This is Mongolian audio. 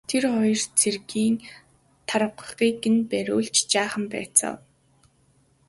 Тэр хоёр цэргийг тарвагыг нь бариулж жаахан байцаав.